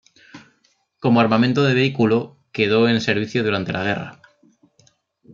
Como armamento de vehículo, quedó en servicio durante la guerra.